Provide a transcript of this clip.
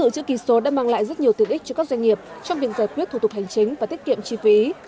chữ ký số đã mang lại rất nhiều tiện ích cho các doanh nghiệp trong việc giải quyết thủ tục hành chính và tiết kiệm chi phí